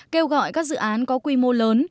kêu gọi các dự án có quy mô lớn